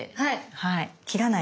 はい。